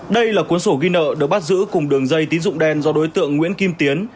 đây là cuốn sổ ghi nợ được bắt giữ cùng đường dây tín dụng đen do đối tượng nguyễn kim tiến